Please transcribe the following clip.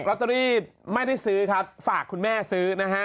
ลอตเตอรี่ไม่ได้ซื้อครับฝากคุณแม่ซื้อนะฮะ